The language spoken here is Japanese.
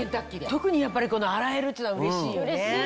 特にやっぱりこの洗えるっつうのはうれしいよね。